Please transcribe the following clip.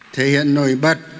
thể hiện nổi bật